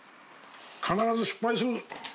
必ず失敗する。